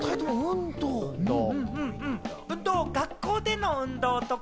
学校での運動とか？